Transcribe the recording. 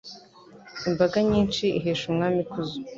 Imbaga nyinshi ihesha umwami ikuzo